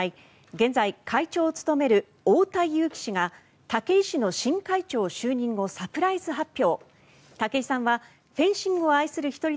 現在、会長を務める太田雄貴氏が武井氏の新会長就任をサプライズ発表。